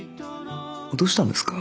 どうしたんですか？